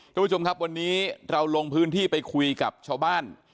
ทุกผู้ชมครับวันนี้เราลงพื้นที่ไปคุยกับชาวบ้าน